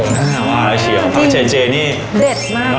แล้วกระเฉศเจนี่เจ็ดมาก